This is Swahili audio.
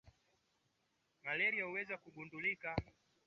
malaria huweza kugundulika kwa kutumia vipimo vya damu